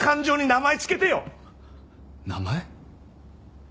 名前？